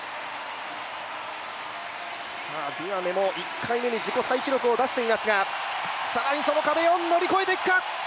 ディアメも１回目に自己タイ記録を出していますが更にその記録を乗り越えていくか。